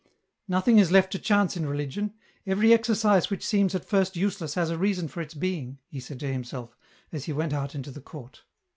" Nothing is left to chance in religion ; every exercise ■which seems at first useless has a reason for its being," he said to himself, as he went out into the court.